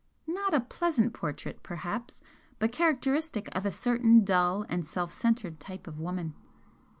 Not a pleasant portrait, perhaps but characteristic of a certain dull and self centred type of woman.